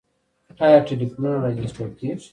آیا ټلیفونونه راجستر کیږي؟